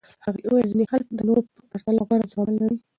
هغې وویل ځینې خلک د نورو پرتله غوره زغمل لري.